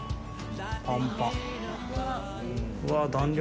パンパン！